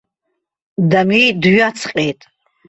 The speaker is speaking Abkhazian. Дамеи дҩаҵҟьеит.